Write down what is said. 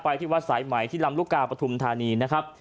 ที่วัดสายไหมที่ลำลูกกาปฐุมธานีนะครับ